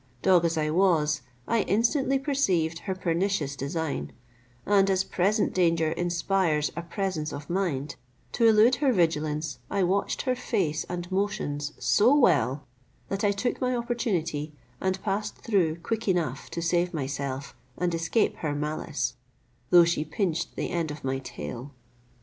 Dog as I was, I instantly perceived her pernicious design; and as present danger inspires a presence of mind, to elude her vigilance I watched her face and motions so well, that I took my opportunity, and passed through quick enough to save myself and escape her malice, though she pinched the end of my tail.